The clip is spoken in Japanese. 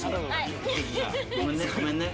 ごめんねごめんね。